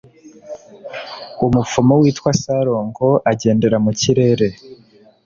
Umupfumu witwa Sarongo agendera mu kirere